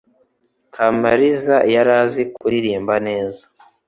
kamaliza yarazi kuririmba neza